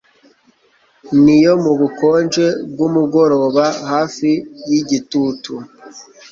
ni, iyo mubukonje bwumugoroba, hafi yigitutu